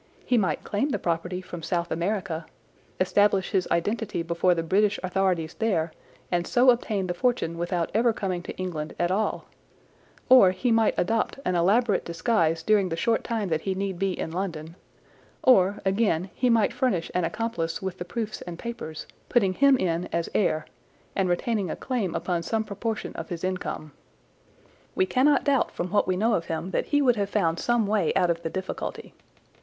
He might claim the property from South America, establish his identity before the British authorities there and so obtain the fortune without ever coming to England at all, or he might adopt an elaborate disguise during the short time that he need be in London; or, again, he might furnish an accomplice with the proofs and papers, putting him in as heir, and retaining a claim upon some proportion of his income. We cannot doubt from what we know of him that he would have found some way out of the difficulty.